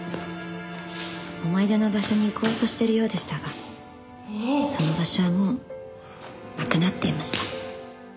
「思い出の場所に行こうとしているようでしたがその場所はもうなくなっていました」